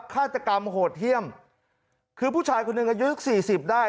ฆาตกรรมโหดเยี่ยมคือผู้ชายคนหนึ่งอายุสักสี่สิบได้